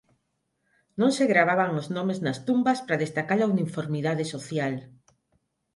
Non se gravaban os nomes nas tumbas para destacar a uniformidade social.